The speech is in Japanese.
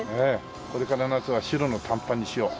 これから夏は白の短パンにしよう。